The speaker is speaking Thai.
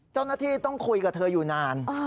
เจ้าหน้าที่ต้องคุยกับเธออยู่นาน